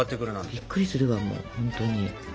びっくりするわもうほんとに。